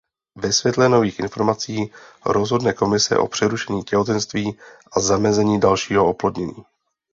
Ve světle nových informací rozhodne komise o přerušení těhotenství a zamezení dalšího oplodnění.